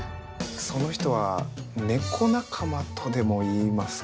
その人は猫仲間とでも言いますか。